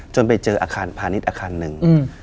ไปเจออาคารพาณิชย์อาคารหนึ่ง